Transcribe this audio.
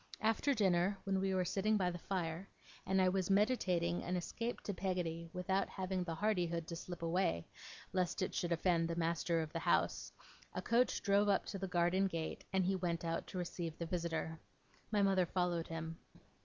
After dinner, when we were sitting by the fire, and I was meditating an escape to Peggotty without having the hardihood to slip away, lest it should offend the master of the house, a coach drove up to the garden gate and he went out to receive the visitor. My mother followed him.